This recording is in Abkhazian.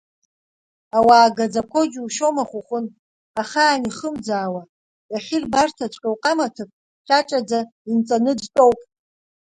Ауаа гаӡақәоу џьушьома, Хәыхәын, ахаан ихымӡаауа, иахьырбарҭаҵәҟьоу уҟамаҭыԥ ҿаҿаӡа инҵаны дтәоуп.